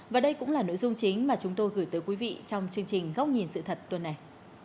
và đây cũng là nội dung chính mà chúng tôi gửi tới quý vị trong chương trình góc nhìn sự thật tuần này